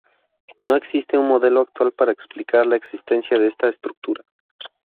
No existe un modelo actual para explicar la existencia de esta estructura.